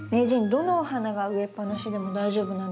どのお花が植えっぱなしでも大丈夫なんですか？